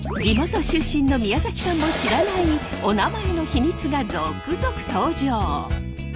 地元出身の宮崎さんも知らないおなまえの秘密が続々登場！